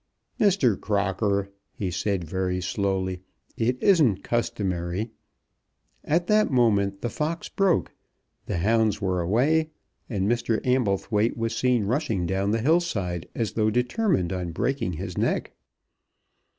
"Mr. Crocker," he said very slowly, "it isn't customary " At that moment the fox broke, the hounds were away, and Mr. Amblethwaite was seen rushing down the hill side, as though determined on breaking his neck.